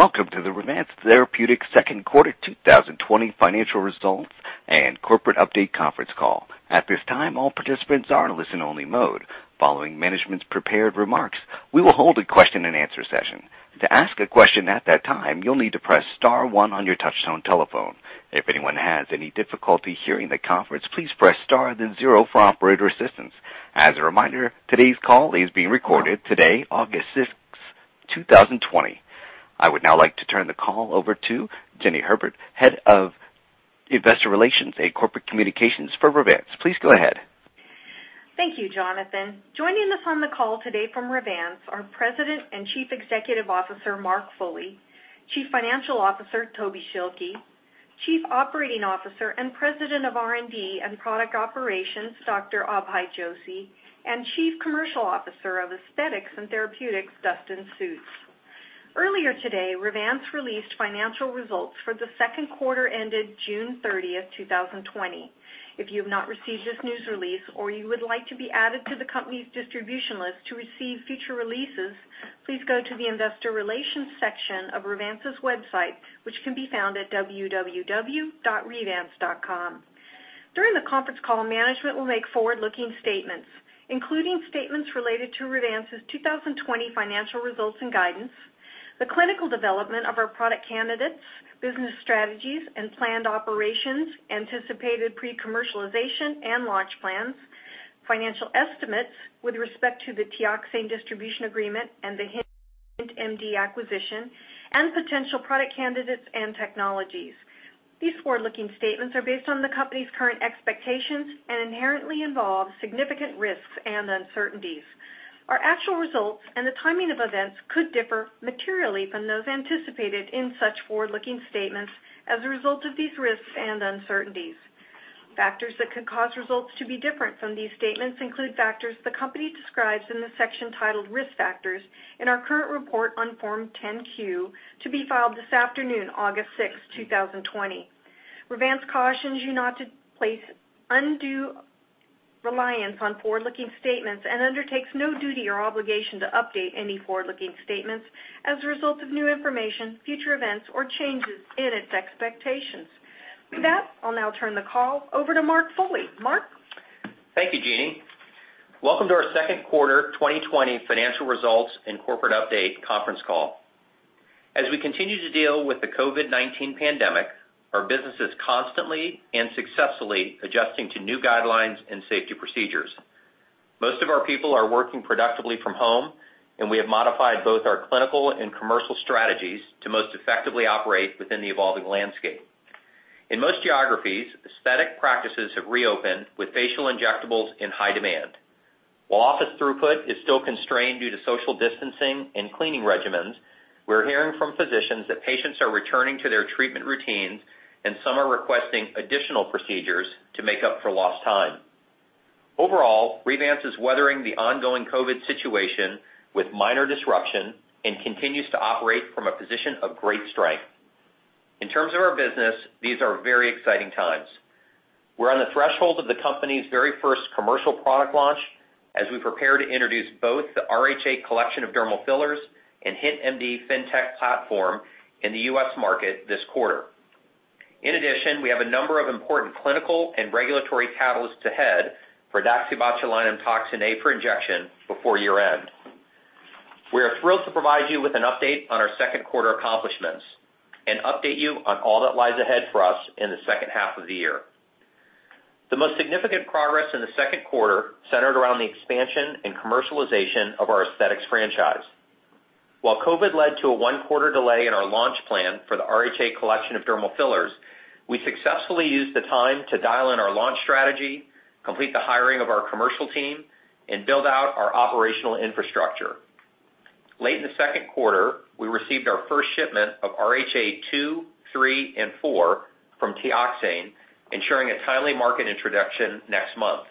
Welcome to the Revance Therapeutics second quarter 2020 financial results and corporate update conference call. At this time, all participants are in a listen-only mode. Following managements' prepared remarks, we will hold a question-and-answer session. To ask a question at that time you will need to press star one on your touchtone telephone. If you have any difficulty hearing the conference please press star then zero for our operator assistance. As a reminder, today's call is being recorded today, August 6th, 2020. I. I would now like to turn the call over to Jeanie Herbert, Head of Investor Relations and Corporate Communications for Revance. Please go ahead. Thank you, Jonathan. Joining us on the call today from Revance are President and Chief Executive Officer, Mark Foley, Chief Financial Officer, Toby Schilke, Chief Operating Officer and President of R&D and Product Operations, Dr. Abhay Joshi, and Chief Commercial Officer of Aesthetics and Therapeutics, Dustin Sjuts. Earlier today, Revance released financial results for the second quarter ended June 30th, 2020. If you have not received this news release or you would like to be added to the company's distribution list to receive future releases, please go to the investor relations section of Revance's website, which can be found at www.revance.com. During the conference call, management will make forward-looking statements, including statements related to Revance's 2020 financial results and guidance, the clinical development of our product candidates, business strategies and planned operations, anticipated pre-commercialization and launch plans, financial estimates with respect to the Teoxane distribution agreement and the HintMD acquisition, and potential product candidates and technologies. These forward-looking statements are based on the company's current expectations and inherently involve significant risks and uncertainties. Our actual results and the timing of events could differ materially from those anticipated in such forward-looking statements as a result of these risks and uncertainties. Factors that could cause results to be different from these statements include factors the company describes in the section titled Risk Factors in our current report on Form 10-Q to be filed this afternoon, August 6th, 2020. Revance cautions you not to place undue reliance on forward-looking statements and undertakes no duty or obligation to update any forward-looking statements as a result of new information, future events, or changes in its expectations. With that, I'll now turn the call over to Mark Foley. Mark? Thank you, Jeanie. Welcome to our second quarter 2020 financial results and corporate update conference call. As we continue to deal with the COVID-19 pandemic, our business is constantly and successfully adjusting to new guidelines and safety procedures. Most of our people are working productively from home, and we have modified both our clinical and commercial strategies to most effectively operate within the evolving landscape. In most geographies, aesthetic practices have reopened with facial injectables in high demand. While office throughput is still constrained due to social distancing and cleaning regimens, we're hearing from physicians that patients are returning to their treatment routines and some are requesting additional procedures to make up for lost time. Overall, Revance is weathering the ongoing COVID situation with minor disruption and continues to operate from a position of great strength. In terms of our business, these are very exciting times. We're on the threshold of the company's very first commercial product launch as we prepare to introduce both the RHA Collection of dermal fillers and HintMD FinTech platform in the U.S. market this quarter. In addition, we have a number of important clinical and regulatory catalysts ahead for daxibotulinumtoxinA for injection before year-end. We are thrilled to provide you with an update on our second quarter accomplishments and update you on all that lies ahead for us in the second half of the year. The most significant progress in the second quarter centered around the expansion and commercialization of our aesthetics franchise. While COVID led to a one-quarter delay in our launch plan for the RHA Collection of dermal fillers, we successfully used the time to dial in our launch strategy, complete the hiring of our commercial team, and build out our operational infrastructure. Late in the second quarter, we received our first shipment of RHA 2, 3, and 4 from Teoxane, ensuring a timely market introduction next month.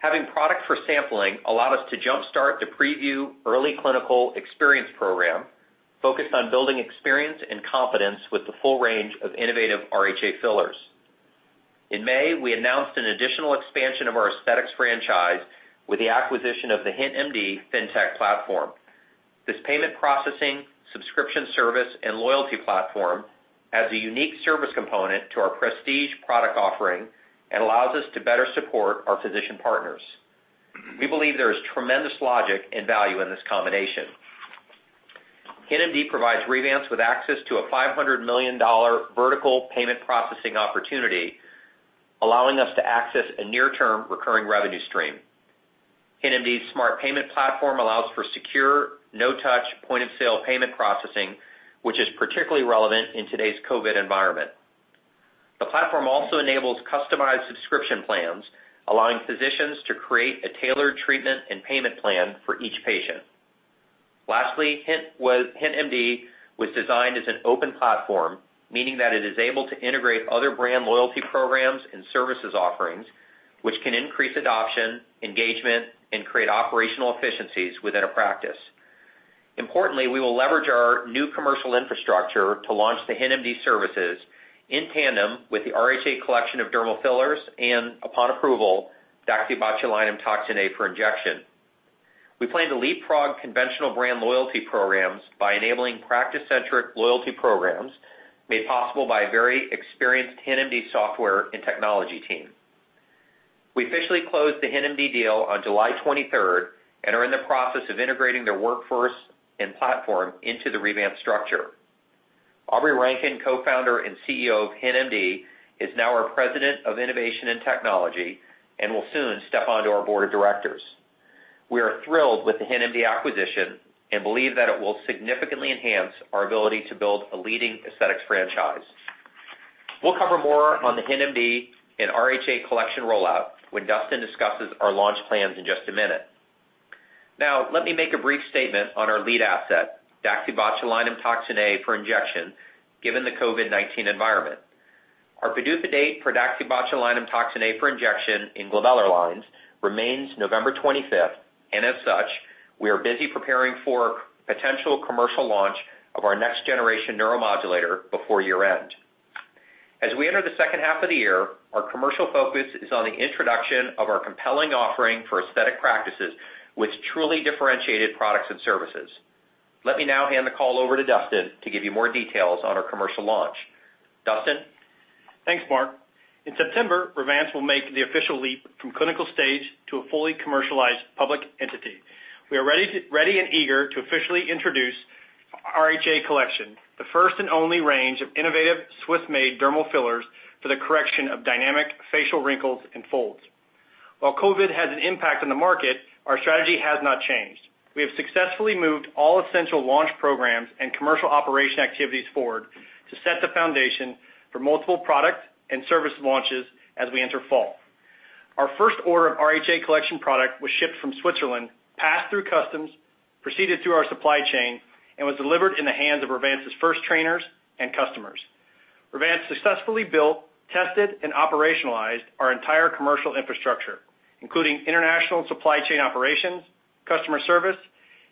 Having product for sampling allowed us to jumpstart the PrevU early clinical experience program focused on building experience and confidence with the full range of innovative RHA fillers. In May, we announced an additional expansion of our aesthetics franchise with the acquisition of the HintMD FinTech platform. This payment processing, subscription service, and loyalty platform adds a unique service component to our prestige product offering and allows us to better support our physician partners. We believe there is tremendous logic and value in this combination. HintMD provides Revance with access to a $500 million vertical payment processing opportunity, allowing us to access a near-term recurring revenue stream. HintMD's smart payment platform allows for secure, no-touch point-of-sale payment processing, which is particularly relevant in today's COVID environment. The platform also enables customized subscription plans, allowing physicians to create a tailored treatment and payment plan for each patient. Lastly, HintMD was designed as an open platform, meaning that it is able to integrate other brand loyalty programs and services offerings, which can increase adoption, engagement, and create operational efficiencies within a practice. Importantly, we will leverage our new commercial infrastructure to launch the HintMD services in tandem with the RHA Collection of dermal fillers and upon approval, daxibotulinumtoxinA for injection. We plan to leapfrog conventional brand loyalty programs by enabling practice-centric loyalty programs made possible by a very experienced HintMD software and technology team. We officially closed the HintMD deal on July 23rd and are in the process of integrating their workforce and platform into the Revance structure. Aubrey Rankin, Co-Founder and CEO of HintMD, is now our President of Innovation and Technology and will soon step onto our Board of Directors. We are thrilled with the HintMD acquisition and believe that it will significantly enhance our ability to build a leading aesthetics franchise. We'll cover more on the HintMD and RHA Collection rollout when Dustin discusses our launch plans in just a minute. Now, let me make a brief statement on our lead asset, daxibotulinumtoxinA for injection, given the COVID-19 environment. Our PDUFA date for daxibotulinumtoxinA for injection in glabellar lines remains November 25th, and as such, we are busy preparing for potential commercial launch of our next-generation neuromodulator before year-end. As we enter the second half of the year, our commercial focus is on the introduction of our compelling offering for aesthetic practices with truly differentiated products and services. Let me now hand the call over to Dustin to give you more details on our commercial launch. Dustin? Thanks, Mark. In September, Revance will make the official leap from clinical stage to a fully commercialized public entity. We are ready and eager to officially introduce RHA Collection, the first and only range of innovative Swiss-made dermal fillers for the correction of dynamic facial wrinkles and folds. While COVID had an impact on the market, our strategy has not changed. We have successfully moved all essential launch programs and commercial operation activities forward to set the foundation for multiple product and service launches as we enter fall. Our first order of RHA Collection product was shipped from Switzerland, passed through customs, proceeded through our supply chain, and was delivered in the hands of Revance's first trainers and customers. Revance successfully built, tested, and operationalized our entire commercial infrastructure, including international supply chain operations, customer service,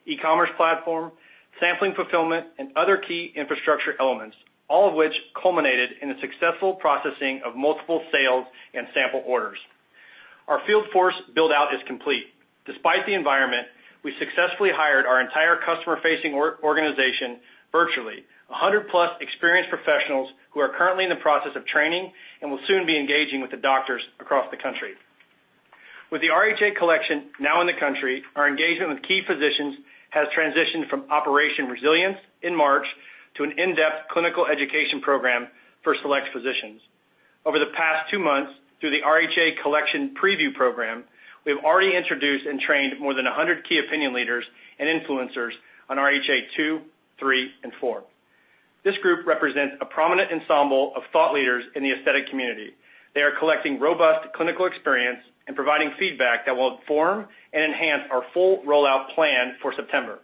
e-commerce platform, sampling fulfillment, and other key infrastructure elements, all of which culminated in the successful processing of multiple sales and sample orders. Our field force build-out is complete. Despite the environment, we successfully hired our entire customer-facing organization virtually, 100+ experienced professionals who are currently in the process of training and will soon be engaging with the doctors across the country. With the RHA Collection now in the country, our engagement with key physicians has transitioned from operation resilience in March to an in-depth clinical education program for select physicians. Over the past two months, through the RHA Collection PrevU program, we have already introduced and trained more than 100 key opinion leaders and influencers on RHA 2, 3, and 4. This group represents a prominent ensemble of thought leaders in the aesthetic community. They are collecting robust clinical experience and providing feedback that will inform and enhance our full rollout plan for September.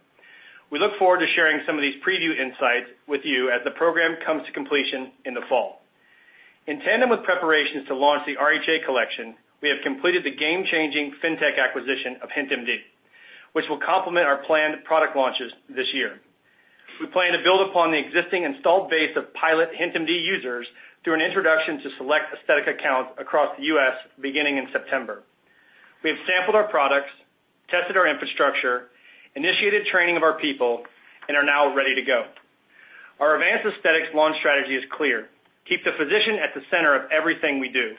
We look forward to sharing some of these PrevU insights with you as the program comes to completion in the fall. In tandem with preparations to launch the RHA Collection, we have completed the game-changing FinTech acquisition of HintMD, which will complement our planned product launches this year. We plan to build upon the existing installed base of pilot HintMD users through an introduction to select aesthetic accounts across the U.S. beginning in September. We have sampled our products, tested our infrastructure, initiated training of our people, and are now ready to go. Our advanced aesthetics launch strategy is clear. Keep the physician at the center of everything we do.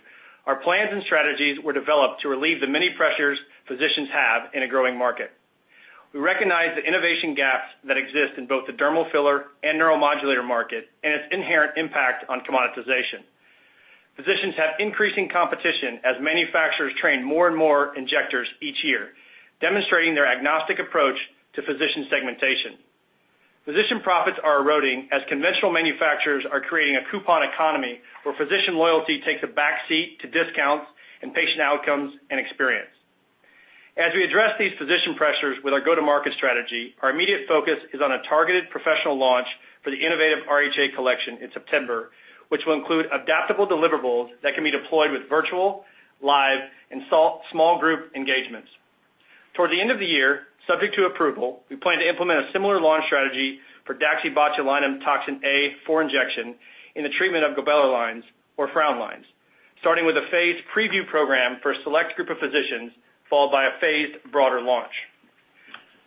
Our plans and strategies were developed to relieve the many pressures physicians have in a growing market. We recognize the innovation gaps that exist in both the dermal filler and neuromodulator market and its inherent impact on commoditization. Physicians have increasing competition as manufacturers train more and more injectors each year, demonstrating their agnostic approach to physician segmentation. Physician profits are eroding as conventional manufacturers are creating a coupon economy where physician loyalty takes a backseat to discounts and patient outcomes and experience. As we address these physician pressures with our go-to-market strategy, our immediate focus is on a targeted professional launch for the innovative RHA Collection in September, which will include adaptable deliverables that can be deployed with virtual, live, and small group engagements. Towards the end of the year, subject to approval, we plan to implement a similar launch strategy for daxibotulinumtoxinA for injection in the treatment of glabellar lines or frown lines, starting with a phased PrevU program for a select group of physicians, followed by a phased broader launch.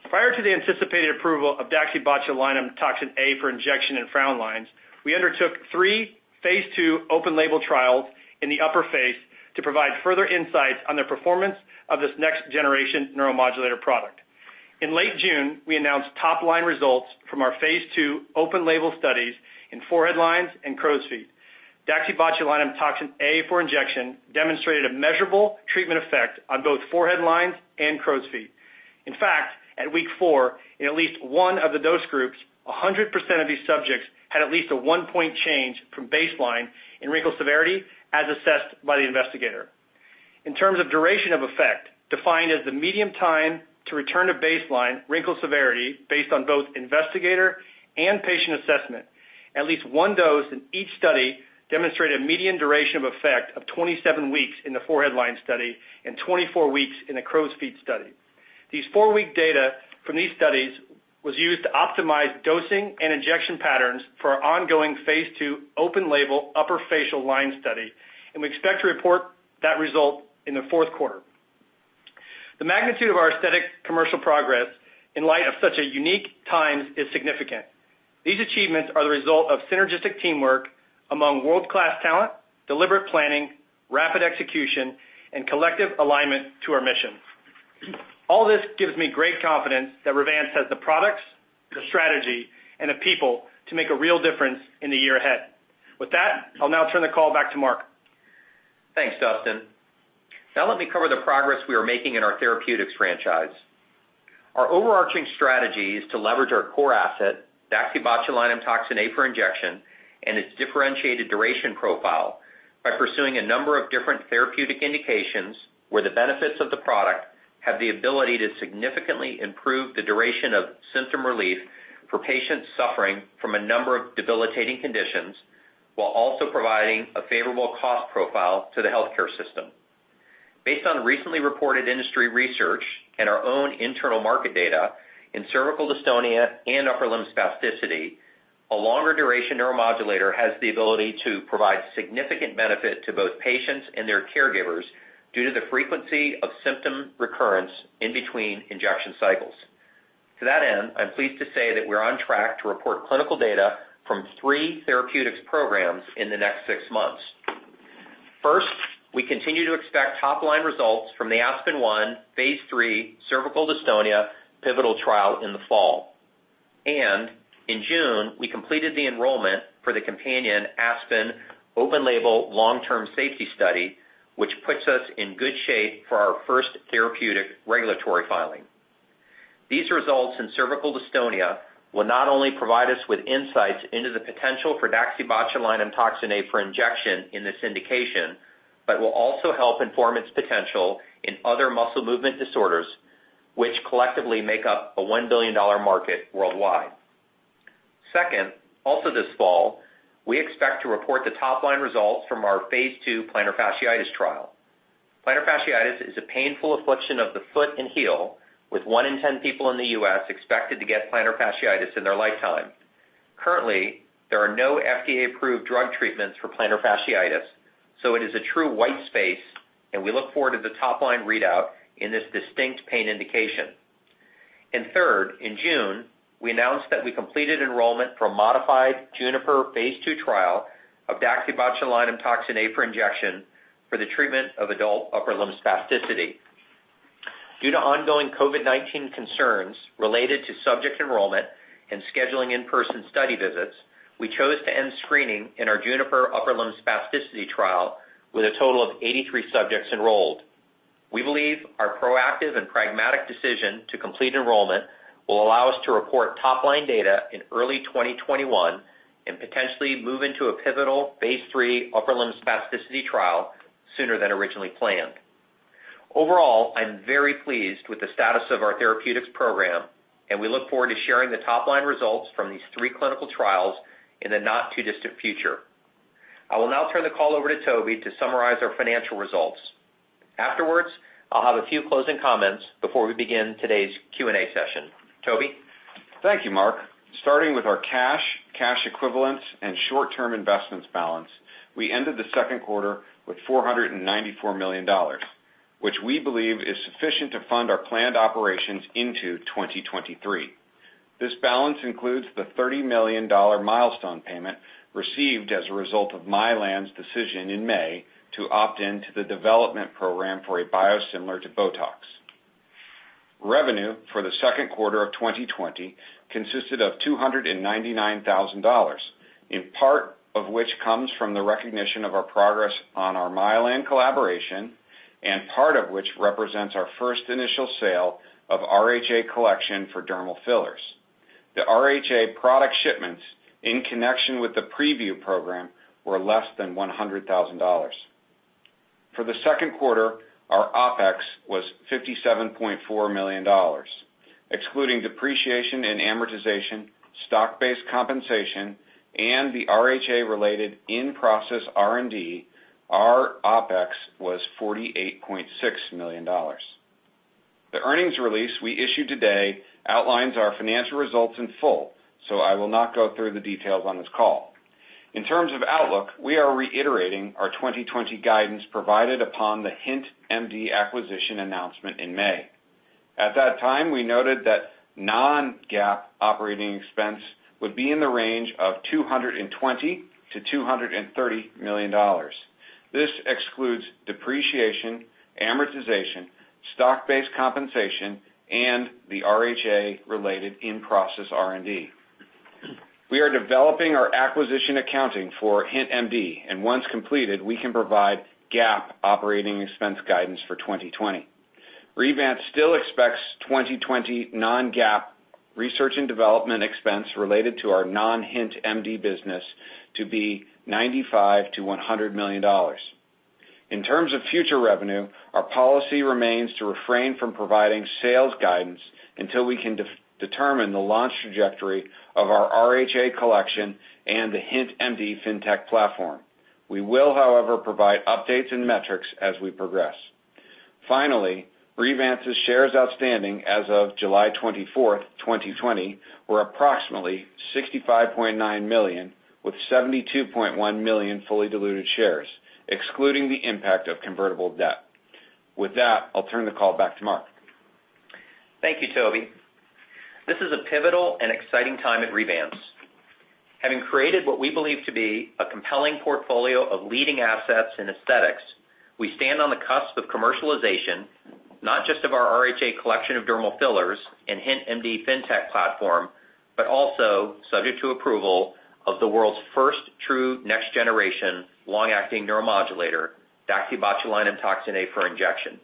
Prior to the anticipated approval of daxibotulinumtoxinA for injection in frown lines, we undertook three phase II open label trials in the upper face to provide further insights on the performance of this next generation neuromodulator product. In late June, we announced top-line results from our phase II open label studies in forehead lines and crow's feet. DaxibotulinumtoxinA for injection demonstrated a measurable treatment effect on both forehead lines and crow's feet. In fact, at week four, in at least one of the dose groups, 100% of these subjects had at least a one-point change from baseline in wrinkle severity as assessed by the investigator. In terms of duration of effect, defined as the median time to return to baseline wrinkle severity based on both investigator and patient assessment, at least one dose in each study demonstrated a median duration of effect of 27 weeks in the forehead lines study and 24 weeks in the crow's feet study. These four-week data from these studies was used to optimize dosing and injection patterns for our ongoing phase II open-label upper facial line study, and we expect to report that result in the fourth quarter. The magnitude of our aesthetic commercial progress in light of such a unique time is significant. These achievements are the result of synergistic teamwork among world-class talent, deliberate planning, rapid execution, and collective alignment to our mission. All this gives me great confidence that Revance has the products, the strategy, and the people to make a real difference in the year ahead. With that, I'll now turn the call back to Mark. Thanks, Dustin. Let me cover the progress we are making in our therapeutics franchise. Our overarching strategy is to leverage our core asset, daxibotulinumtoxinA for injection, and its differentiated duration profile by pursuing a number of different therapeutic indications, where the benefits of the product have the ability to significantly improve the duration of symptom relief for patients suffering from a number of debilitating conditions, while also providing a favorable cost profile to the healthcare system. Based on recently reported industry research and our own internal market data in cervical dystonia and upper limb spasticity, a longer duration neuromodulator has the ability to provide significant benefit to both patients and their caregivers due to the frequency of symptom recurrence in between injection cycles. I'm pleased to say that we're on track to report clinical data from three therapeutics programs in the next six months. First, we continue to expect top-line results from the phase III cervical dystonia pivotal trial in the fall. In June, we completed the enrollment for the companion ASPEN open-label long-term safety study, which puts us in good shape for our first therapeutic regulatory filing. These results in cervical dystonia will not only provide us with insights into the potential for daxibotulinumtoxinA for injection in this indication, but will also help inform its potential in other muscle movement disorders, which collectively make up a $1 billion market worldwide. Second, also this fall, we expect to report the top-line results from our phase II plantar fasciitis trial. Plantar fasciitis is a painful affliction of the foot and heel, with one in 10 people in the U.S. expected to get plantar fasciitis in their lifetime. Currently, there are no FDA-approved drug treatments for plantar fasciitis, it is a true white space, we look forward to the top-line readout in this distinct pain indication. Third, in June, we announced that we completed enrollment for a modified JUNIPER phase II trial of daxibotulinumtoxinA for injection for the treatment of adult upper limb spasticity. Due to ongoing COVID-19 concerns related to subject enrollment and scheduling in-person study visits, we chose to end screening in our JUNIPER upper limb spasticity trial with a total of 83 subjects enrolled. We believe our proactive and pragmatic decision to complete enrollment will allow us to report top-line data in early 2021, potentially move into a phase III upper limb spasticity trial sooner than originally planned. Overall, I'm very pleased with the status of our therapeutics program, and we look forward to sharing the top-line results from these three clinical trials in the not-too-distant future. I will now turn the call over to Toby to summarize our financial results. Afterwards, I'll have a few closing comments before we begin today's Q&A session. Toby? Thank you, Mark. Starting with our cash equivalents, and short-term investments balance, we ended the second quarter with $494 million, which we believe is sufficient to fund our planned operations into 2023. This balance includes the $30 million milestone payment received as a result of Mylan's decision in May to opt in to the development program for a biosimilar to BOTOX. Revenue for the second quarter of 2020 consisted of $299,000, in part of which comes from the recognition of our progress on our Mylan collaboration, and part of which represents our first initial sale of RHA Collection for dermal fillers. The RHA product shipments in connection with the PrevU program were less than $100,000. For the second quarter, our OpEx was $57.4 million. Excluding depreciation and amortization, stock-based compensation, and the RHA related in-process R&D, our OpEx was $48.6 million. The earnings release we issued today outlines our financial results in full, so I will not go through the details on this call. In terms of outlook, we are reiterating our 2020 guidance provided upon the HintMD acquisition announcement in May. At that time, we noted that non-GAAP operating expense would be in the range of $220 million-$230 million. This excludes depreciation, amortization, stock-based compensation, and the RHA related in-process R&D. We are developing our acquisition accounting for HintMD, and once completed, we can provide GAAP operating expense guidance for 2020. Revance still expects 2020 non-GAAP research and development expense related to our non-HintMD business to be $95 million-$100 million. In terms of future revenue, our policy remains to refrain from providing sales guidance until we can determine the launch trajectory of our RHA Collection and the HintMD FinTech platform. We will, however, provide updates and metrics as we progress. Finally, Revance's shares outstanding as of July 24th, 2020, were approximately 65.9 million, with 72.1 million fully diluted shares, excluding the impact of convertible debt. With that, I'll turn the call back to Mark. Thank you, Toby. This is a pivotal and exciting time at Revance. Having created what we believe to be a compelling portfolio of leading assets in aesthetics, we stand on the cusp of commercialization, not just of our RHA Collection of dermal fillers and HintMD FinTech platform, but also subject to approval of the world's first true next-generation long-acting neuromodulator, daxibotulinumtoxinA for injection.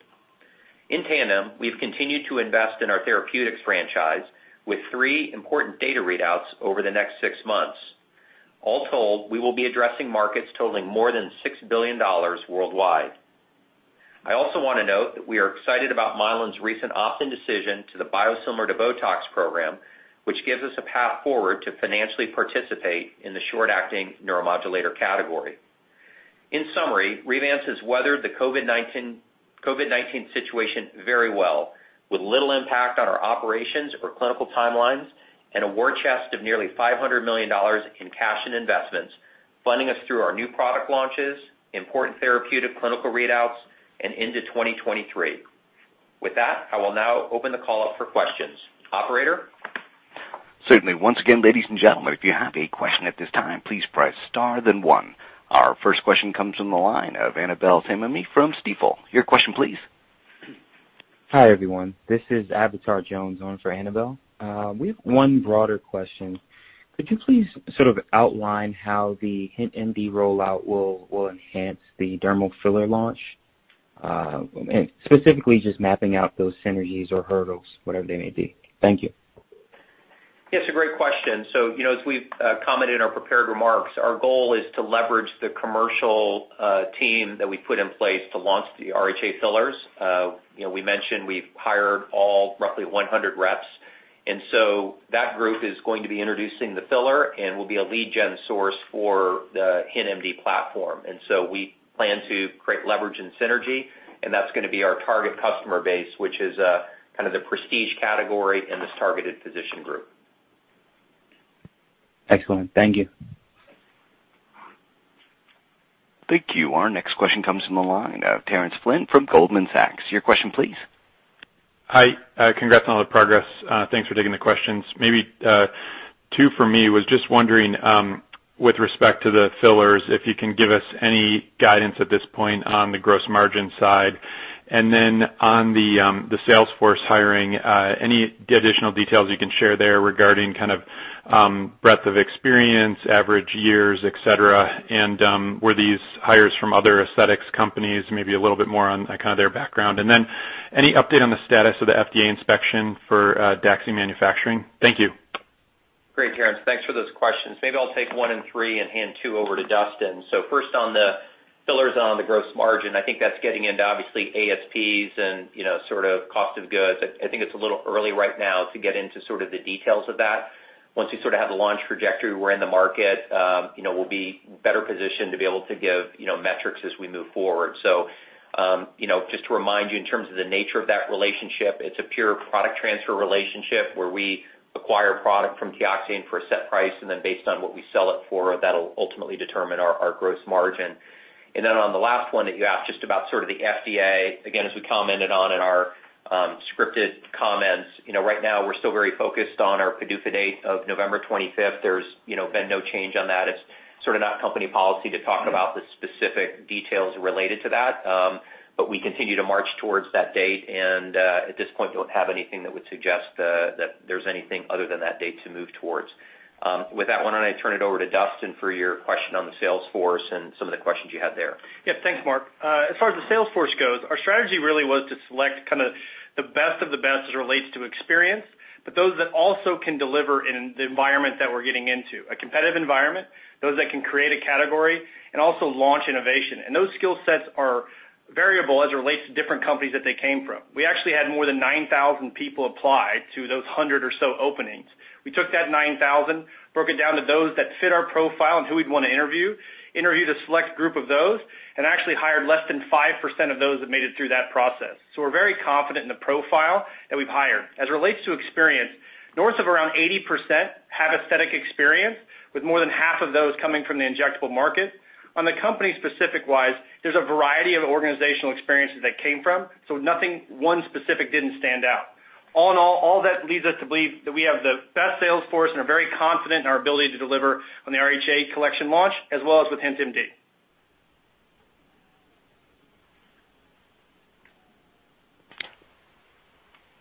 In tandem, we've continued to invest in our therapeutics franchise with three important data readouts over the next six months. All told, we will be addressing markets totaling more than $6 billion worldwide. I also want to note that we are excited about Mylan's recent opt-in decision to the biosimilar to BOTOX program, which gives us a path forward to financially participate in the short-acting neuromodulator category. In summary, Revance has weathered the COVID-19 situation very well, with little impact on our operations or clinical timelines, and a war chest of nearly $500 million in cash and investments funding us through our new product launches, important therapeutic clinical readouts, and into 2023. With that, I will now open the call up for questions. Operator? Certainly. Once again, ladies and gentlemen, if you have a question at this time, please press star then one. Our first question comes from the line of Annabel Samimy from Stifel. Your question, please. Hi, everyone. This is Avatar Jones on for Annabel. We have one broader question. Could you please sort of outline how the HintMD rollout will enhance the dermal filler launch? Specifically just mapping out those synergies or hurdles, whatever they may be. Thank you. It's a great question. As we've commented in our prepared remarks, our goal is to leverage the commercial team that we put in place to launch the RHA fillers. We mentioned we've hired all roughly 100 reps, that group is going to be introducing the filler and will be a lead gen source for the HintMD platform. We plan to create leverage and synergy, and that's going to be our target customer base, which is kind of the prestige category in this targeted physician group. Excellent. Thank you. Thank you. Our next question comes from the line of Terence Flynn from Goldman Sachs. Your question, please. Hi. Congrats on all the progress. Thanks for taking the questions. Maybe two for me, was just wondering, with respect to the fillers, if you can give us any guidance at this point on the gross margin side. Then on the sales force hiring, any additional details you can share there regarding breadth of experience, average years, etc? Were these hires from other aesthetics companies, maybe a little bit more on their background. Then any update on the status of the FDA inspection for DAXI manufacturing? Thank you. Great, Terence. Thanks for those questions. Maybe I'll take one and three and hand two over to Dustin. First on the fillers, on the gross margin, I think that's getting into obviously ASPs and cost of goods. I think it's a little early right now to get into the details of that. Once we have a launch trajectory, we're in the market, we'll be better positioned to be able to give metrics as we move forward. Just to remind you in terms of the nature of that relationship, it's a pure product transfer relationship where we acquire product from Teoxane for a set price, and then based on what we sell it for, that'll ultimately determine our gross margin. On the last one that you asked just about the FDA, again, as we commented on in our scripted comments, right now we're still very focused on our PDUFA date of November 25th. There's been no change on that. It's sort of not company policy to talk about the specific details related to that. We continue to march towards that date, and at this point, don't have anything that would suggest that there's anything other than that date to move towards. With that, why don't I turn it over to Dustin for your question on the sales force and some of the questions you had there? Yeah. Thanks, Mark. As far as the sales force goes, our strategy really was to select the best of the best as it relates to experience, but those that also can deliver in the environment that we're getting into, a competitive environment, those that can create a category, and also launch innovation. Those skill sets are variable as it relates to different companies that they came from. We actually had more than 9,000 people apply to those 100 or so openings. We took that 9,000, broke it down to those that fit our profile and who we'd want to interview, interviewed a select group of those, and actually hired less than 5% of those that made it through that process. We're very confident in the profile that we've hired. As it relates to experience, north of around 80% have aesthetic experience, with more than half of those coming from the injectable market. On the company specific-wise, there's a variety of organizational experiences they came from, so nothing, one specific didn't stand out. All in all that leads us to believe that we have the best sales force and are very confident in our ability to deliver on the RHA Collection launch, as well as with HintMD.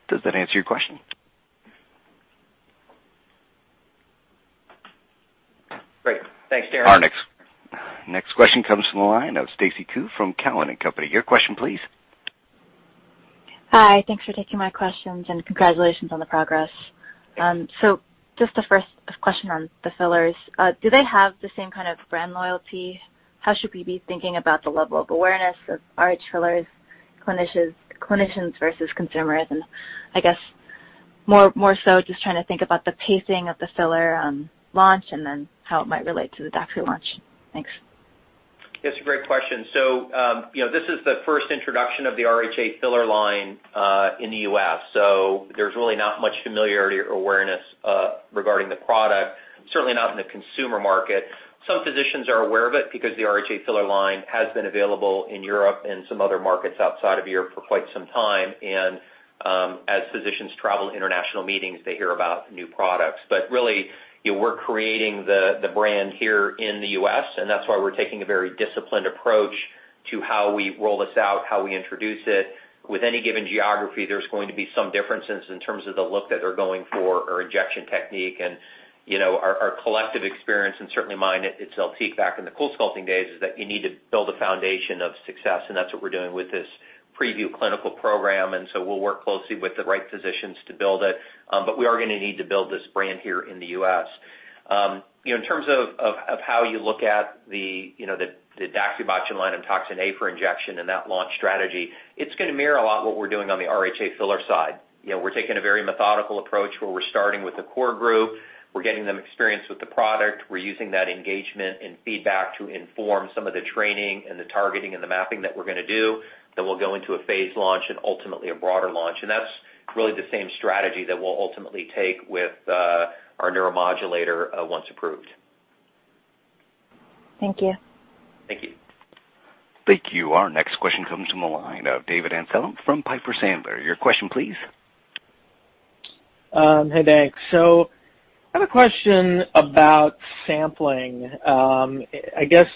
Does that answer your question? Great. Thanks, Terence. Our next question comes from the line of Stacy Ku from Cowen and Company. Your question please. Hi. Thanks for taking my questions, and congratulations on the progress. Just the first question on the fillers, do they have the same kind of brand loyalty? How should we be thinking about the level of awareness of RHA fillers, clinicians versus consumers? I guess more so just trying to think about the pacing of the filler on launch, and then how it might relate to the DAXI launch. Thanks. It's a great question. This is the first introduction of the RHA filler line in the U.S. There's really not much familiarity or awareness regarding the product, certainly not in the consumer market. Some physicians are aware of it because the RHA filler line has been available in Europe and some other markets outside of Europe for quite some time. As physicians travel to international meetings, they hear about new products. Really, we're creating the brand here in the U.S., and that's why we're taking a very disciplined approach to how we roll this out, how we introduce it. With any given geography, there's going to be some differences in terms of the look that they're going for or injection technique and our collective experience and certainly mine at ZELTIQ back in the CoolSculpting days, is that you need to build a foundation of success, and that's what we're doing with this PrevU clinical program. We'll work closely with the right physicians to build it. We are going to need to build this brand here in the U.S. In terms of how you look at the DAXI botulinum toxin A for injection and that launch strategy, it's going to mirror a lot what we're doing on the RHA filler side. We're taking a very methodical approach where we're starting with the core group. We're getting them experience with the product. We're using that engagement and feedback to inform some of the training and the targeting and the mapping that we're going to do. We'll go into a phased launch and ultimately a broader launch. That's really the same strategy that we'll ultimately take with our neuromodulator, once approved. Thank you. Thank you. Thank you. Our next question comes from the line of David Amsellem from Piper Sandler. Your question, please. Hey, thanks. I have a question about sampling. I guess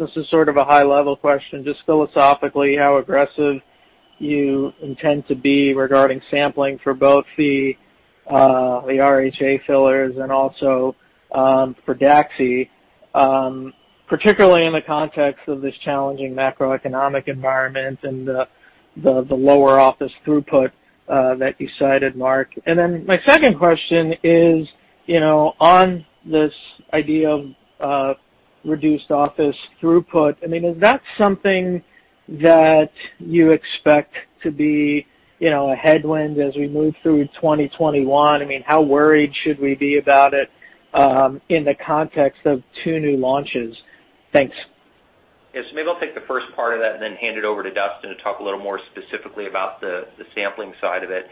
this is sort of a high-level question, just philosophically, how aggressive you intend to be regarding sampling for both the RHA fillers and also for DAXI, particularly in the context of this challenging macroeconomic environment and the lower office throughput that you cited, Mark. My second question is, on this idea of reduced office throughput, is that something that you expect to be a headwind as we move through 2021? How worried should we be about it, in the context of two new launches? Thanks. Yes, maybe I'll take the first part of that and then hand it over to Dustin to talk a little more specifically about the sampling side of it.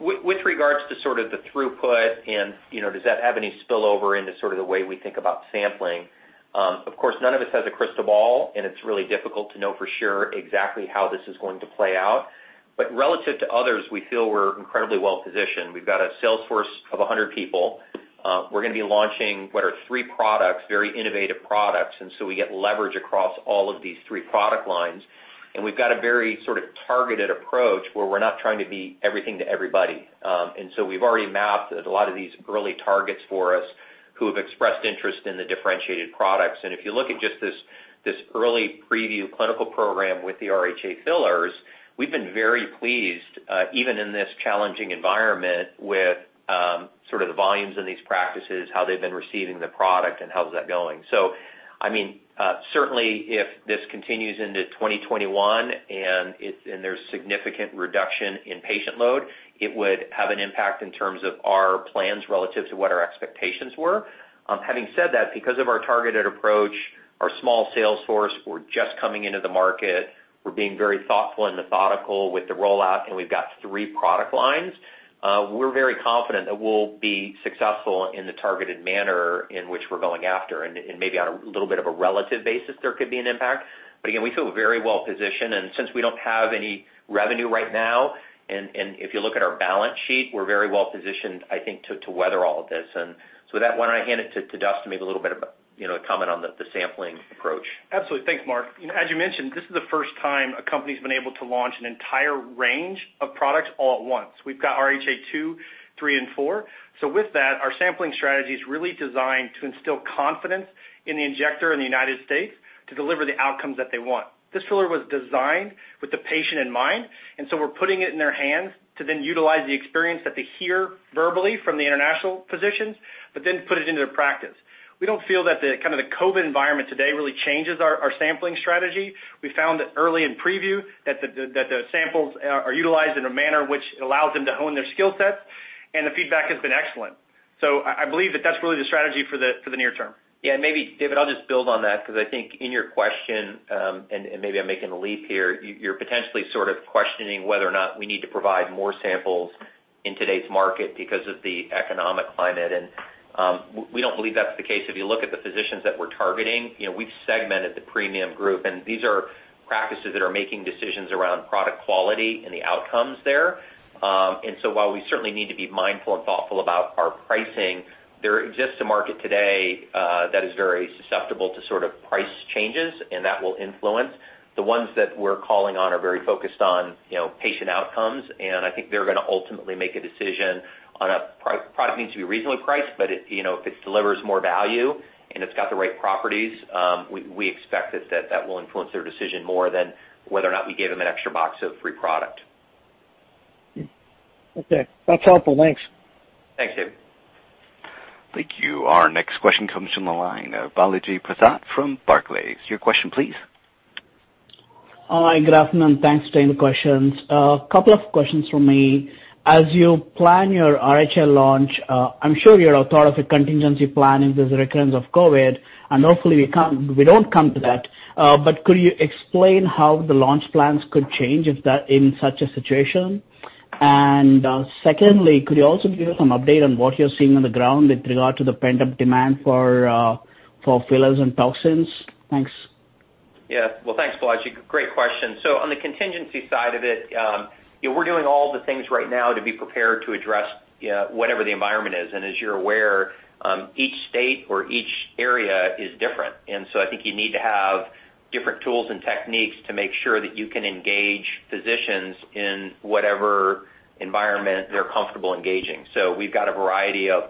With regards to sort of the throughput and does that have any spillover into sort of the way we think about sampling? Of course, none of us has a crystal ball, and it's really difficult to know for sure exactly how this is going to play out. But relative to others, we feel we're incredibly well-positioned. We've got a sales force of 100 people. We're going to be launching what are three products, very innovative products, and so we get leverage across all of these three product lines. And we've got a very sort of targeted approach where we're not trying to be everything to everybody. We've already mapped a lot of these early targets for us who have expressed interest in the differentiated products. If you look at just this early PrevU clinical program with the RHA fillers, we've been very pleased, even in this challenging environment with sort of the volumes in these practices, how they've been receiving the product and how's that going. Certainly if this continues into 2021 and there's significant reduction in patient load, it would have an impact in terms of our plans relative to what our expectations were. Having said that, because of our targeted approach, our small sales force, we're just coming into the market, we're being very thoughtful and methodical with the rollout, and we've got three product lines. We're very confident that we'll be successful in the targeted manner in which we're going after. Maybe on a little bit of a relative basis, there could be an impact. Again, we feel very well-positioned. Since we don't have any revenue right now, and if you look at our balance sheet, we're very well-positioned, I think, to weather all of this. With that, why don't I hand it to Dustin Sjuts, maybe a little bit of a comment on the sampling approach. Absolutely. Thanks, Mark. As you mentioned, this is the first time a company's been able to launch an entire range of products all at once. We've got RHA 2, 3, and 4. With that, our sampling strategy is really designed to instill confidence in the injector in the U.S. to deliver the outcomes that they want. This filler was designed with the patient in mind, we're putting it in their hands to then utilize the experience that they hear verbally from the international physicians, then put it into their practice. We don't feel that the kind of the COVID environment today really changes our sampling strategy. We found that early in PrevU that the samples are utilized in a manner which allows them to hone their skill sets, the feedback has been excellent. I believe that that's really the strategy for the near term. Yeah. Maybe David, I'll just build on that because I think in your question, and maybe I'm making a leap here, you're potentially sort of questioning whether or not we need to provide more samples in today's market because of the economic climate. We don't believe that's the case. If you look at the physicians that we're targeting, we've segmented the premium group, and these are practices that are making decisions around product quality and the outcomes there. While we certainly need to be mindful and thoughtful about our pricing, there exists a market today that is very susceptible to sort of price changes and that will influence. The ones that we're calling on are very focused on patient outcomes, and I think they're going to ultimately make a decision on a product needs to be reasonably priced, but if it delivers more value and it's got the right properties, we expect that that will influence their decision more than whether or not we gave them an extra box of free product. Okay. That's helpful. Thanks. Thanks, David. Thank you. Our next question comes from the line of Balaji Prasad from Barclays. Your question, please. Hi, good afternoon. Thanks for taking the questions. A couple of questions from me. As you plan your RHA launch, I'm sure you're authoritative contingency plan in this recurrence of COVID, hopefully we don't come to that. Could you explain how the launch plans could change in such a situation? Secondly, could you also give us some update on what you're seeing on the ground with regard to the pent-up demand for fillers and toxins? Thanks. Well, thanks, Balaji. Great question. On the contingency side of it, we're doing all the things right now to be prepared to address whatever the environment is. As you're aware, each state or each area is different. I think you need to have different tools and techniques to make sure that you can engage physicians in whatever environment they're comfortable engaging. We've got a variety of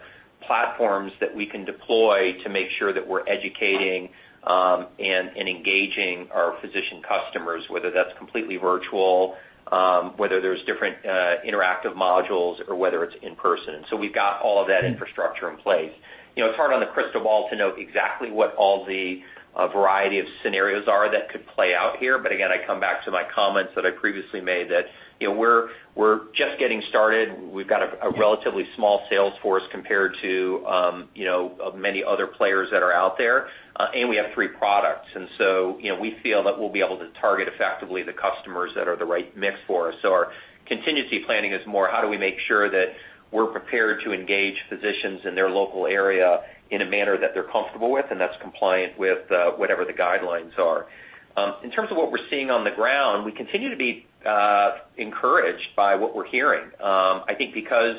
platforms that we can deploy to make sure that we're educating and engaging our physician customers, whether that's completely virtual, whether there's different interactive modules or whether it's in-person. We've got all of that infrastructure in place. It's hard on the crystal ball to know exactly what all the variety of scenarios are that could play out here, but again, I come back to my comments that I previously made that we're just getting started. We've got a relatively small sales force compared to many other players that are out there, and we have three products. We feel that we'll be able to target effectively the customers that are the right mix for us. Our contingency planning is more how do we make sure that we're prepared to engage physicians in their local area in a manner that they're comfortable with and that's compliant with whatever the guidelines are. In terms of what we're seeing on the ground, we continue to be encouraged by what we're hearing. I think because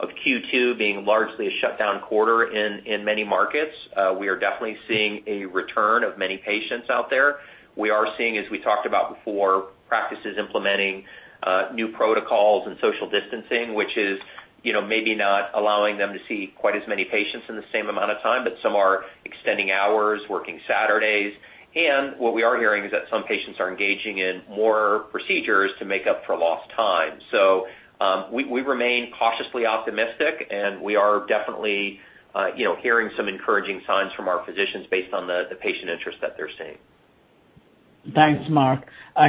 of Q2 being largely a shutdown quarter in many markets, we are definitely seeing a return of many patients out there. We are seeing, as we talked about before, practices implementing new protocols and social distancing, which is maybe not allowing them to see quite as many patients in the same amount of time, but some are extending hours, working Saturdays. What we are hearing is that some patients are engaging in more procedures to make up for lost time. We remain cautiously optimistic, and we are definitely hearing some encouraging signs from our physicians based on the patient interest that they're seeing. Thanks, Mark.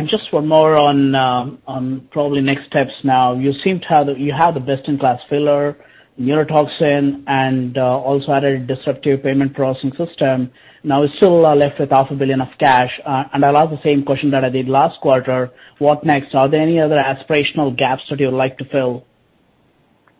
Just for more on probably next steps now. You have the best-in-class filler, neurotoxin, and also added disruptive payment processing system. Now you're still left with $500,000,000 of cash. I'll ask the same question that I did last quarter. What next? Are there any other aspirational gaps that you would like to fill?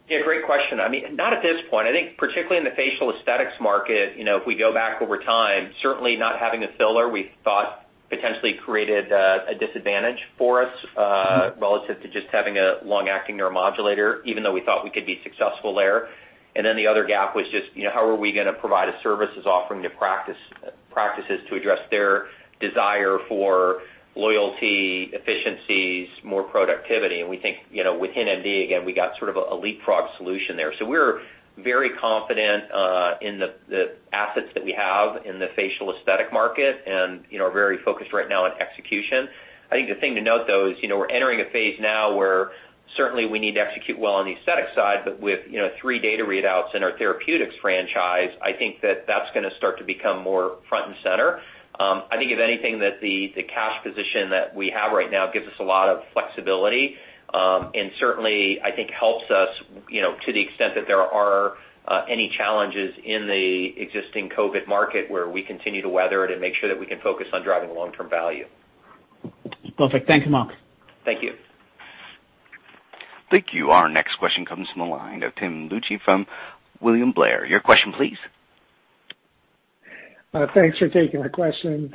Yeah, great question. Not at this point. I think particularly in the facial aesthetics market, if we go back over time, certainly not having a filler, we thought potentially created a disadvantage for us relative to just having a long-acting neuromodulator, even though we thought we could be successful there. The other gap was just how are we going to provide a services offering to practices to address their desire for loyalty, efficiencies, more productivity. We think HintMD, again, we got sort of a leapfrog solution there. We're very confident in the assets that we have in the facial aesthetic market and very focused right now on execution. I think the thing to note, though, is we're entering a phase now where certainly we need to execute well on the aesthetic side, but with three data readouts in our therapeutics franchise, I think that that's going to start to become more front and center. I think if anything, that the cash position that we have right now gives us a lot of flexibility. Certainly I think helps us, to the extent that there are any challenges in the existing COVID market where we continue to weather it and make sure that we can focus on driving long-term value. Perfect. Thank you, Mark. Thank you. Thank you. Our next question comes from the line of Tim Lugo from William Blair. Your question, please. Thanks for taking the questions.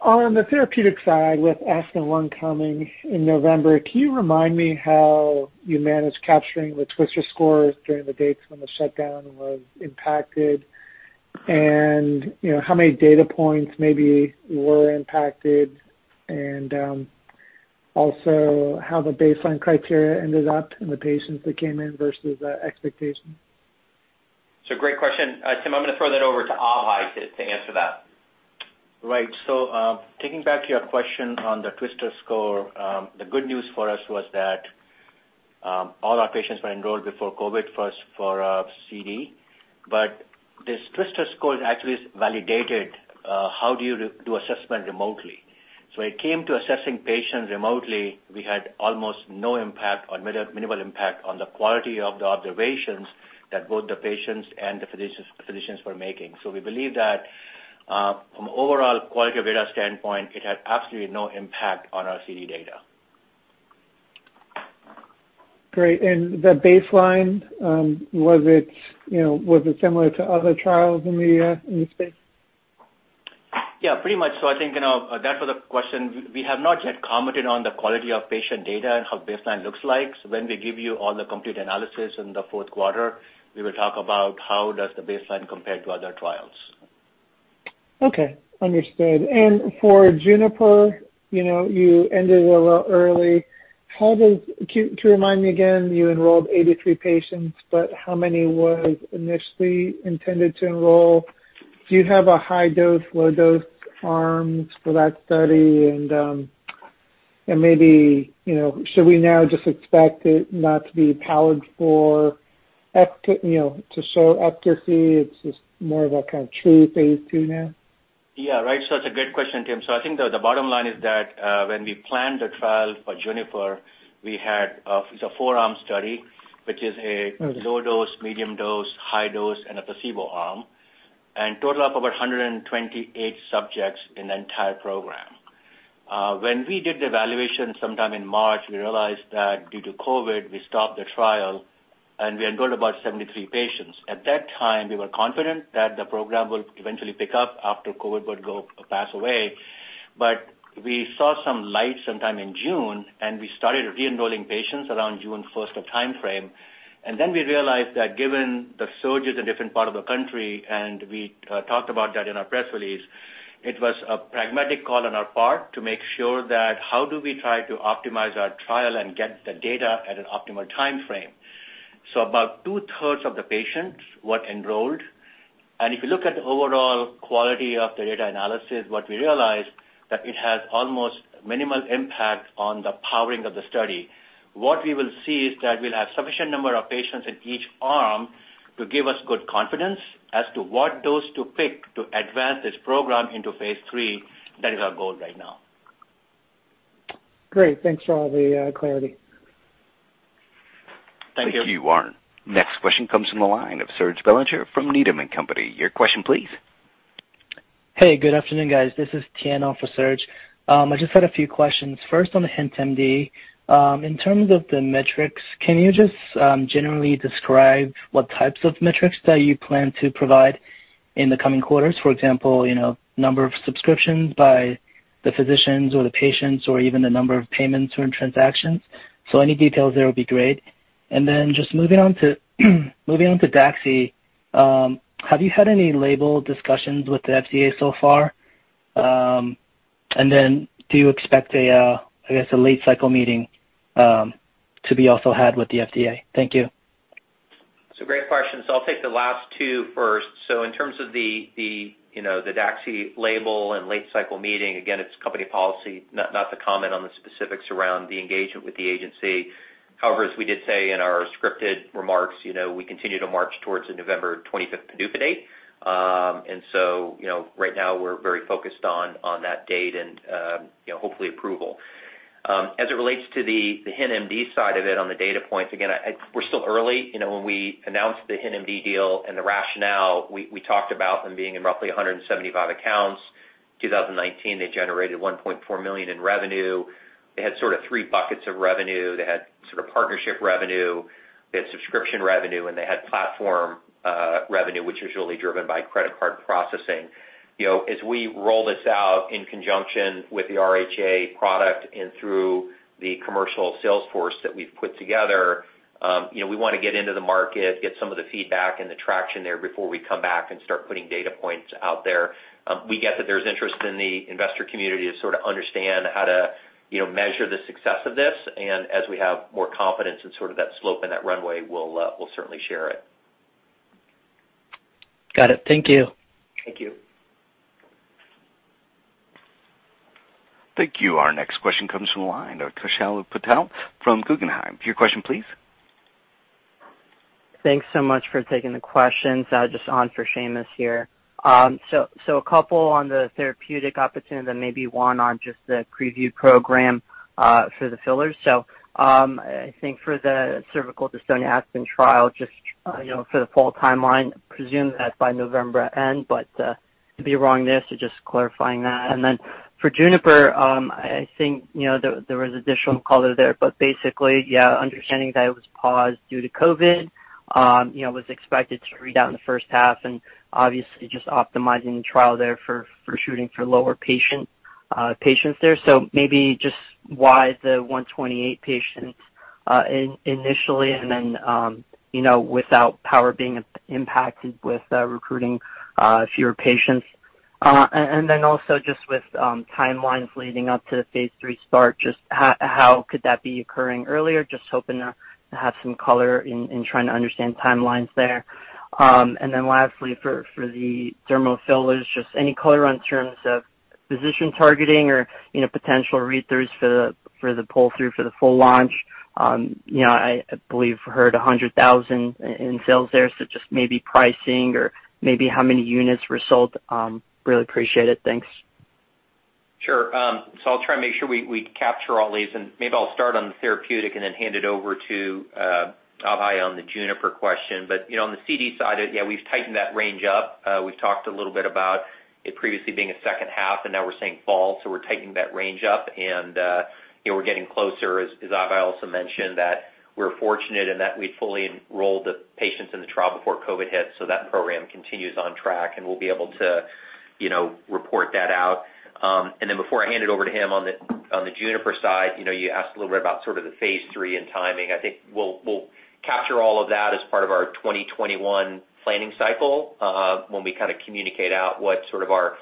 On the therapeutic side with ASPEN-1 coming in November, can you remind me how you managed capturing the TWSTRS scores during the dates when the shutdown was impacted and how many data points maybe were impacted and also how the baseline criteria ended up and the patients that came in versus the expectation? Great question. Tim, I'm going to throw that over to Abhay to answer that. Right. Taking back to your question on the TWSTRS score, the good news for us was that all our patients were enrolled before COVID for CD. This TWSTRS score actually is validated. How do you do assessment remotely? It came to assessing patients remotely, we had almost no impact or minimal impact on the quality of the observations that both the patients and the physicians were making. We believe that from overall quality of data standpoint, it had absolutely no impact on our CD data. Great. The baseline, was it similar to other trials in the space? Yeah, pretty much so. I think that was the question. We have not yet commented on the quality of patient data and how baseline looks like. When we give you all the complete analysis in the fourth quarter, we will talk about how does the baseline compare to other trials. Okay. Understood. For JUNIPER, you ended a little early. To remind me again, you enrolled 83 patients, but how many was initially intended to enroll? Do you have a high dose, low dose arms for that study? Maybe, should we now just expect it not to be powered to show efficacy? It's just more of a kind of true phase II now? Yeah. Right. It's a great question, Tim. I think the bottom line is that, when we planned the trial for JUNIPER, we had a four-arm study, which is a low dose, medium dose, high dose, and a placebo arm, and total of about 128 subjects in the entire program. When we did the evaluation sometime in March, we realized that due to COVID-19, we stopped the trial, and we enrolled about 73 patients. At that time, we were confident that the program would eventually pick up after COVID-19 would pass away. We saw some light sometime in June, and we started re-enrolling patients around June 1st timeframe. We realized that given the surges in different part of the country, and we talked about that in our press release, it was a pragmatic call on our part to make sure that how do we try to optimize our trial and get the data at an optimal timeframe. About 2/3 of the patients were enrolled. If you look at the overall quality of the data analysis, what we realized, that it had almost minimal impact on the powering of the study. We will see is that we'll have sufficient number of patients in each arm to give us good confidence as to what dose to pick to advance this program phase III. that is our goal right now. Great. Thanks for all the clarity. Thank you. Thank you, Warren. Next question comes from the line of Serge Belanger from Needham & Company. Your question, please. Hey, good afternoon, guys. This is Tian for Serge. I just had a few questions. First, on the HintMD, in terms of the metrics, can you just generally describe what types of metrics that you plan to provide in the coming quarters? For example, number of subscriptions by the physicians or the patients, or even the number of payments or transactions. Any details there would be great. Just moving on to DAXI, have you had any label discussions with the FDA so far? Then do you expect, I guess, a late-cycle meeting to be also had with the FDA? Thank you. Great questions. I'll take the last two first. In terms of the DAXI label and late-cycle meeting, again, it's company policy not to comment on the specifics around the engagement with the agency. However, as we did say in our scripted remarks, we continue to march towards the November 25th PDUFA date. Right now, we're very focused on that date and hopefully approval. As it relates to the HintMD side of it on the data points, again, we're still early. When we announced the HintMD deal and the rationale, we talked about them being in roughly 175 accounts. 2019, they generated $1.4 million in revenue. They had sort of three buckets of revenue. They had sort of partnership revenue, they had subscription revenue, and they had platform revenue, which is usually driven by credit card processing. As we roll this out in conjunction with the RHA product and through the commercial sales force that we've put together, we want to get into the market, get some of the feedback and the traction there before we come back and start putting data points out there. We get that there's interest in the investor community to sort of understand how to measure the success of this, and as we have more confidence in sort of that slope and that runway, we'll certainly share it. Got it. Thank you. Thank you. Thank you. Our next question comes from the line of Kashal Patel from Guggenheim. Your question, please. Thanks so much for taking the questions. Just on for Seamus here. A couple on the therapeutic opportunity and maybe one on just the PrevU program for the fillers. I think for the cervical dystonia ASPEN trial, just for the fall timeline, I presume that's by November end, but could be wrong there. Just clarifying that. And then for JUNIPER, I think there was additional color there, but basically, yeah, understanding that it was paused due to COVID-19, was expected to read out in the first half, and obviously just optimizing the trial there for shooting for lower patients there. Maybe just why the 128 patients initially, and then without power being impacted with recruiting fewer patients. And then also just with timelines leading up to phase III start, just how could that be occurring earlier? Just hoping to have some color in trying to understand timelines there. Lastly, for the dermal fillers, just any color in terms of physician targeting or potential read-throughs for the pull-through for the full launch. I believe heard 100,000 in sales there, just maybe pricing or maybe how many units were sold. Really appreciate it. Thanks. Sure. I'll try and make sure we capture all these, and maybe I'll start on the therapeutic and then hand it over to Abhay on the JUNIPER question. On the CD side, yeah, we've tightened that range up. We've talked a little bit about it previously being a second half, and now we're saying fall, we're tightening that range up and we're getting closer. As Abhay also mentioned, that we're fortunate in that we fully enrolled the patients in the trial before COVID hit, that program continues on track, and we'll be able to report that out. Before I hand it over to him on the JUNIPER side, you asked a little bit about sort of phase III and timing. I think we'll capture all of that as part of our 2021 planning cycle when we kind of communicate out what sort of our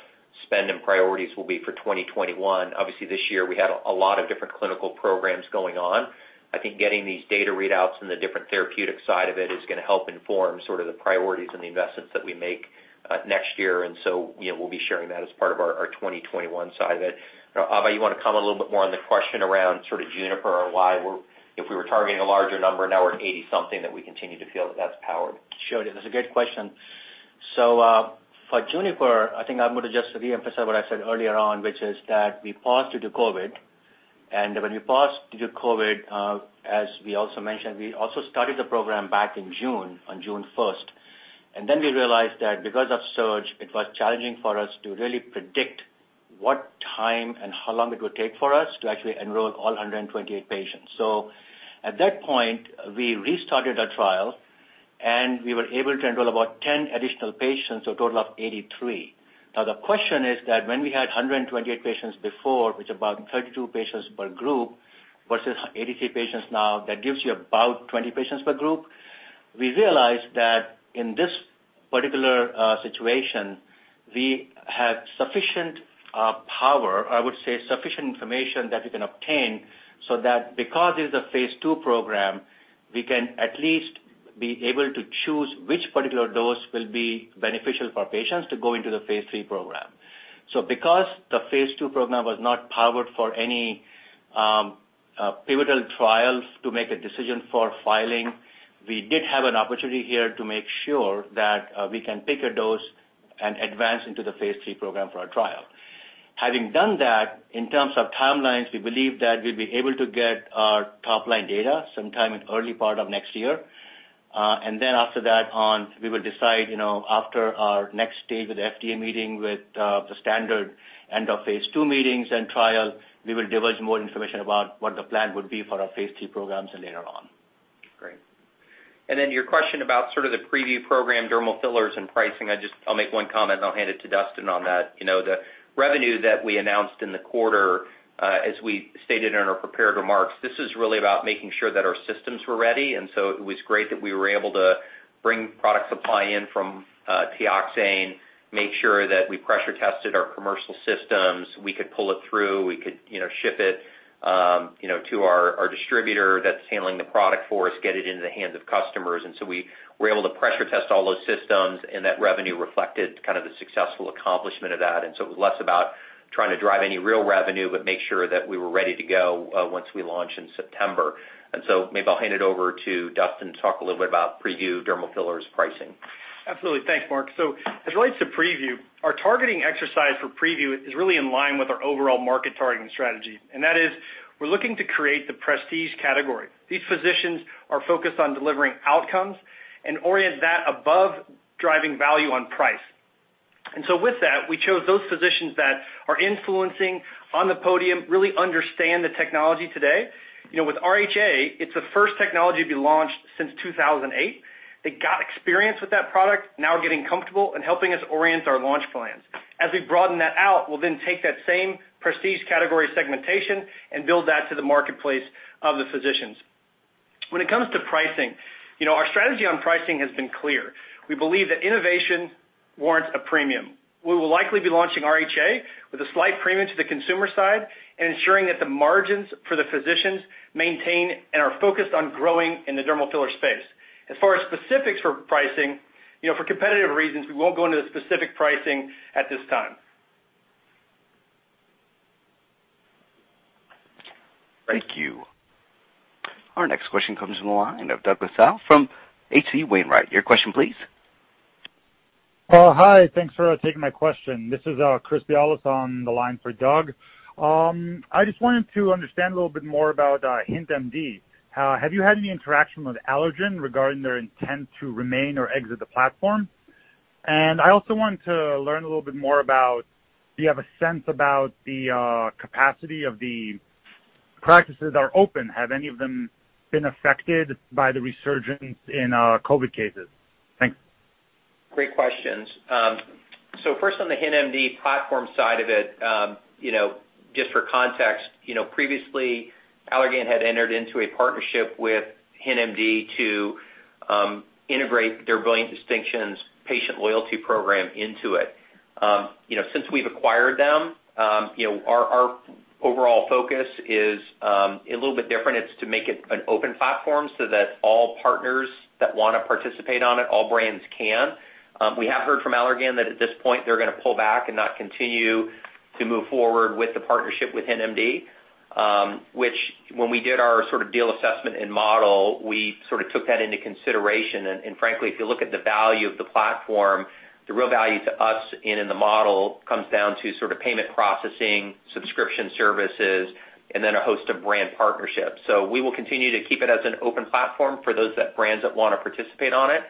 spend and priorities will be for 2021. Obviously, this year we had a lot of different clinical programs going on. I think getting these data readouts from the different therapeutic side of it is going to help inform sort of the priorities and the investments that we make next year. We'll be sharing that as part of our 2021 side of it. Abhay, you want to comment a little bit more on the question around sort of JUNIPER or why, if we were targeting a larger number, now we're at 80-something, that we continue to feel that that's powered? Sure. That's a good question. For JUNIPER, I think I'm going to just re-emphasize what I said earlier on, which is that we paused due to COVID-19, and when we paused due to COVID-19, as we also mentioned, we also started the program back in June, on June 1st. Then we realized that because of surge, it was challenging for us to really predict what time and how long it would take for us to actually enroll all 128 patients. At that point, we restarted our trial, and we were able to enroll about 10 additional patients, so a total of 83. The question is that when we had 128 patients before, which is about 32 patients per group, versus 83 patients now, that gives you about 20 patients per group. We realized that in this particular situation, we had sufficient power, I would say sufficient information that we can obtain, so that because it's a phase II program, we can at least be able to choose which particular dose will be beneficial for patients to go into phase III program. Because the phase II program was not powered for any pivotal trials to make a decision for filing, we did have an opportunity here to make sure that we can pick a dose and advance into phase III program for our trial. Having done that, in terms of timelines, we believe that we'll be able to get our top-line data sometime in early part of next year. After that on, we will decide after our next stage with FDA meeting with the standard end of phase II meetings and trials, we will divulge more information about what the plan would be for phase III programs later on. Great. Your question about sort of the PrevU program, dermal fillers, and pricing. I'll make one comment, and I'll hand it to Dustin on that. The revenue that we announced in the quarter, as we stated in our prepared remarks, this is really about making sure that our systems were ready, and so it was great that we were able to bring product supply in from Teoxane, make sure that we pressure tested our commercial systems. We could pull it through, we could ship it to our distributor that's handling the product for us, get it into the hands of customers. We were able to pressure test all those systems, and that revenue reflected kind of the successful accomplishment of that. It was less about trying to drive any real revenue, but make sure that we were ready to go once we launch in September. Maybe I'll hand it over to Dustin to talk a little bit about PrevU dermal fillers pricing. Absolutely. Thanks, Mark. As it relates to PrevU, our targeting exercise for PrevU is really in line with our overall market targeting strategy. That is, we're looking to create the prestige category. These physicians are focused on delivering outcomes and orient that above driving value on price. With that, we chose those physicians that are influencing on the podium, really understand the technology today. With RHA, it's the first technology to be launched since 2008. They got experience with that product, now getting comfortable and helping us orient our launch plans. As we broaden that out, we'll then take that same prestige category segmentation and build that to the marketplace of the physicians. When it comes to pricing, our strategy on pricing has been clear. We believe that innovation warrants a premium. We will likely be launching RHA with a slight premium to the consumer side and ensuring that the margins for the physicians maintain and are focused on growing in the dermal filler space. As far as specifics for pricing, for competitive reasons, we won't go into the specific pricing at this time. Thank you. Our next question comes from the line of Douglas Tsao from H.C. Wainwright. Your question, please. Hi. Thanks for taking my question. This is Chris Bialas on the line for Doug. I just wanted to understand a little bit more about HintMD. Have you had any interaction with Allergan regarding their intent to remain or exit the platform? I also wanted to learn a little bit more about, do you have a sense about the capacity of the practices that are open? Have any of them been affected by the resurgence in COVID-19 cases? Thanks. Great questions. First on the HintMD platform side of it, just for context, previously Allergan had entered into a partnership with HintMD to integrate their Brilliant Distinctions patient loyalty program into it. Since we've acquired them, our overall focus is a little bit different. It's to make it an open platform so that all partners that want to participate on it, all brands can. We have heard from Allergan that at this point they're going to pull back and not continue to move forward with the partnership with HintMD, which when we did our sort of deal assessment and model, we sort of took that into consideration. Frankly, if you look at the value of the platform, the real value to us and in the model comes down to sort of payment processing, subscription services, and then a host of brand partnerships. We will continue to keep it as an open platform for those brands that want to participate on it.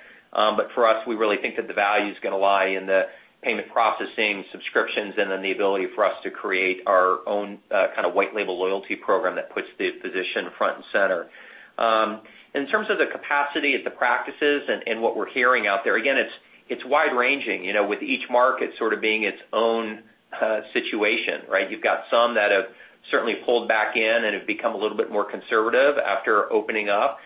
For us, we really think that the value is going to lie in the payment processing, subscriptions, and then the ability for us to create our own kind of white label loyalty program that puts the physician front and center. In terms of the capacity at the practices and what we're hearing out there, again, it's wide-ranging, with each market sort of being its own situation, right? You've got some that have certainly pulled back in and have become a little bit more conservative after opening up.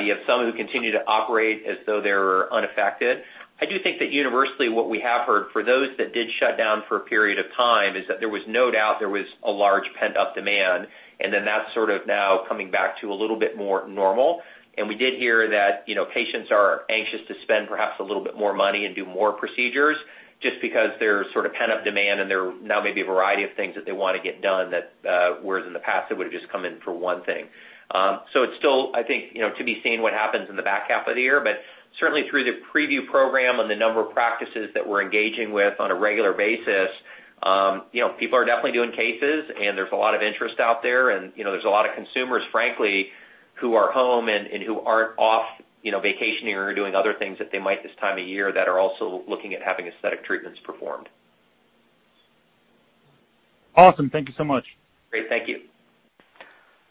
You have some who continue to operate as though they're unaffected. I do think that universally what we have heard for those that did shut down for a period of time is that there was no doubt there was a large pent-up demand, and then that's sort of now coming back to a little bit more normal. We did hear that patients are anxious to spend perhaps a little bit more money and do more procedures just because there's sort of pent-up demand and there now may be a variety of things that they want to get done that whereas in the past, they would have just come in for one thing. It's still, I think, to be seen what happens in the back half of the year, but certainly through the PrevU program and the number of practices that we're engaging with on a regular basis, people are definitely doing cases and there's a lot of interest out there, and there's a lot of consumers, frankly, who are home and who aren't off vacationing or doing other things that they might this time of year that are also looking at having aesthetic treatments performed. Awesome. Thank you so much. Great. Thank you.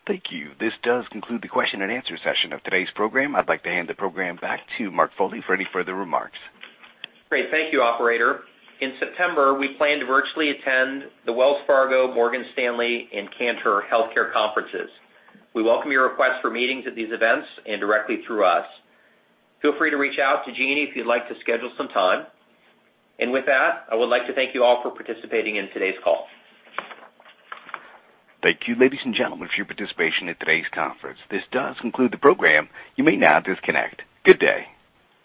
Thank you. This does conclude the question-and-answer session of today's program. I'd like to hand the program back to Mark Foley for any further remarks. Great. Thank you, operator. In September, we plan to virtually attend the Wells Fargo, Morgan Stanley, and Cantor Health Care conferences. We welcome your request for meetings at these events and directly through us. Feel free to reach out to Jeanie if you'd like to schedule some time. With that, I would like to thank you all for participating in today's call. Thank you, ladies and gentlemen, for your participation in today's conference. This does conclude the program. You may now disconnect. Good day.